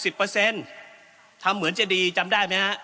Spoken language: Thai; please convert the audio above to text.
ถามเหมือนจะดีจำได้มั้ยคะ